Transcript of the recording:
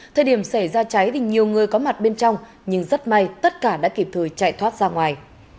thời điểm xảy ra cháy thì nhiều người có mặt bên trong nhưng rất may tất cả đã kịp thời chạy thoát ra ngoài